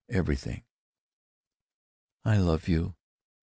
Everything." "I love you!...